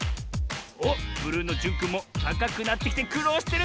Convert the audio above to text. おっブルーのじゅんくんもたかくなってきてくろうしてるぞ！